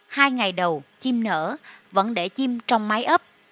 hai ngày đầu chim nở vẫn để chim trong máy ấp